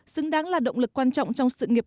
xứng đáng là động lực quan trọng trong sự nghiệp